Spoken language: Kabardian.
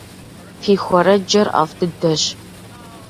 Фи хуэрэджэр ӏэфӏ дыдэщ.